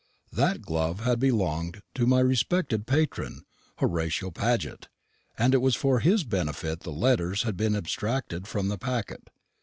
That glove had belonged to my respected patron, Horatio Paget, and it was for his benefit the letters had been abstracted from the packet.